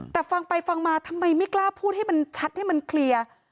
แต่ฟังไปฟังมาทำไมไม่กล้าพูดให้มันชัดให้มันเคลียร์